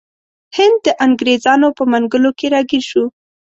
هند د انګریزانو په منګولو کې راګیر شو.